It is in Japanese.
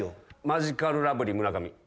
マヂカルラブリー村上。